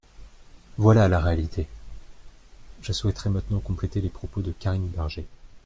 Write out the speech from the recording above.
Voilà la réalité ! Je souhaiterais maintenant compléter les propos de Karine Berger.